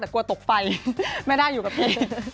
แต่กลัวตกไฟไม่ได้อยู่กับพี่